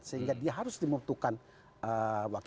sehingga dia harus dibutuhkan wakil menteri